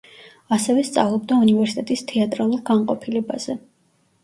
ასევე სწავლობდა უნივერსიტეტის თეატრალურ განყოფილებაზე.